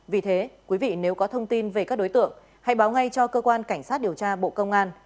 vì thế quý vị nếu có thông tin về các đối tượng hãy báo ngay cho cơ quan cảnh sát điều tra bộ công an